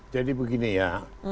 jadi begini ya